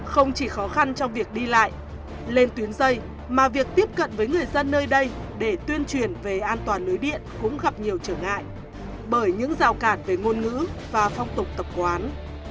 không chỉ khó khăn trong việc đi lại lên tuyến dây mà việc tiếp cận với người dân nơi đây để tuyên truyền về an toàn lưới điện cũng gặp nhiều trở ngại bởi những rào cản về ngôn ngữ và phong tục tập quán